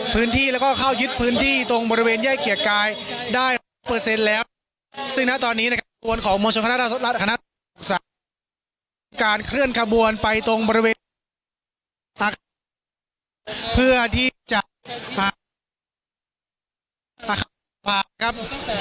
เพื่อที่จะมาขับภาพครับ